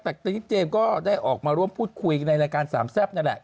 แต่ตอนนี้เจมส์ก็ได้ออกมาร่วมพูดคุยในรายการสามแซ่บนั่นแหละ